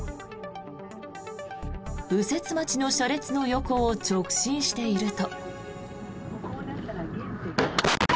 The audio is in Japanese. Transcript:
右折待ちの車列の横を直進していると。